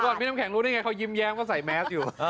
พี่น้ำแข็งรู้ได้ไงเขายิ้มแย้มเขาใส่แมสอยู่